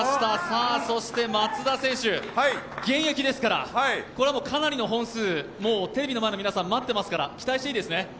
松田選手、現役ですから、これはかなりの本数、テレビの前の皆さん待ってますから期待していいですね？